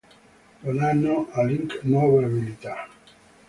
Donano a Link nuove abilità.